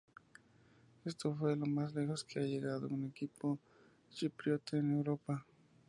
Esto fue lo más lejos que ha llegado un equipo chipriota en Europa.